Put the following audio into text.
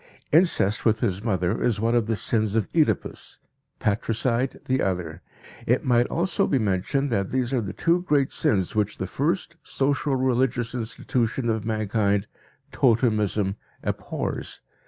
Incest with his mother is one of the sins of Oedipus, patricide the other. It might also be mentioned that these are the two great sins which the first social religious institution of mankind, totemism, abhors.